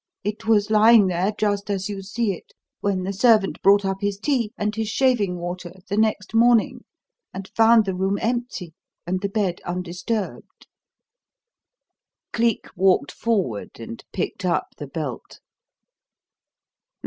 It was lying there just as you see it when the servant brought up his tea and his shaving water the next morning, and found the room empty and the bed undisturbed." Cleek walked forward and picked up the belt.